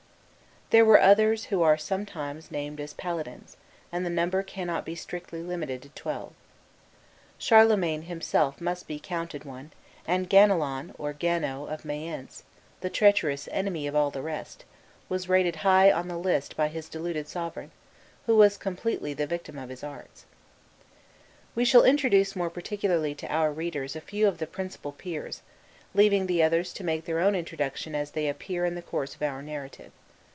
There were others who are sometimes named as paladins, and the number cannot be strictly limited to twelve. Charlemagne himself must be counted one, and Ganelon, or Gano, of Mayence, the treacherous enemy of all the rest, was rated high on the list by his deluded sovereign, who was completely the victim of his arts. We shall introduce more particularly to our readers a few of the principal peers, leaving the others to make their own introduction as they appear in the course of our narrative.